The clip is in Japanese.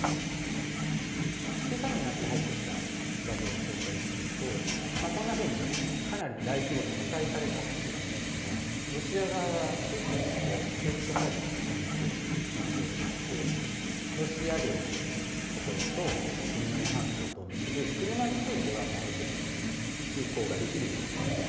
けさになって入ってきた画像を紹介すると、こんなふうにかなり大規模に破壊された橋なんですが、ロシア側は急ピッチで修復作業を進めているようでして、ロシア領の所と、クリミア半島とを結ぶ、車についてはある程度、通行ができるようになっている。